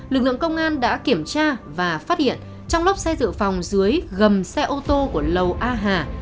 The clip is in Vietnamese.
lực lượng công an đã kiểm tra và phát hiện trong lốc xe dự phòng dưới gầm xe ô tô của lầu a hà